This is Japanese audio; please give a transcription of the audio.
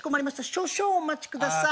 少々お待ちください。